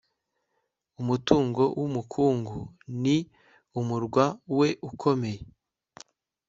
umutungo w'umukungu ni umurwa we ukomeye,